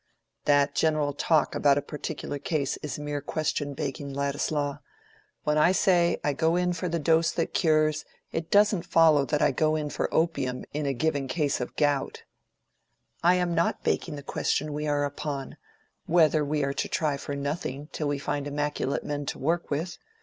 "That general talk about a particular case is mere question begging, Ladislaw. When I say, I go in for the dose that cures, it doesn't follow that I go in for opium in a given case of gout." "I am not begging the question we are upon—whether we are to try for nothing till we find immaculate men to work with.